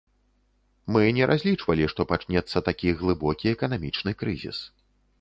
Мы не разлічвалі, што пачнецца такі глыбокі эканамічны крызіс.